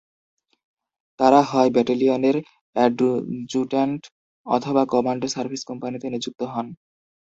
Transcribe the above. তারা হয় ব্যাটালিয়নের অ্যাডজুট্যান্ট অথবা কমান্ড সার্ভিস কোম্পানিতে নিযুক্ত হন।